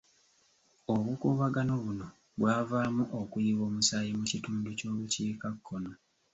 Obukuubagano buno bwavaamu okuyiwa omusaayi mu kitundu ky'obukiikakkono.